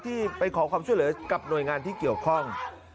ที่ไปขอความช่วยเหลือกับหน่วยงานที่เกี่ยวข้อง